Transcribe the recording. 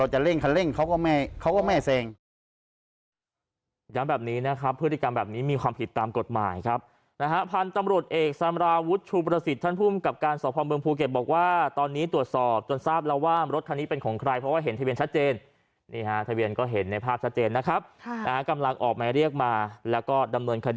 เหมือนกับว่าพอเราจะเร่งคันเร่งเขาก็ไม่เสร็ง